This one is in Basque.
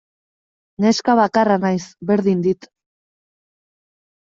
Neska bakarra naiz, berdin dit.